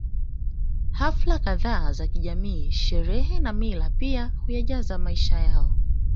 Hafla kadhaa za kijamii sherehe na mila pia huyajaza maisha yao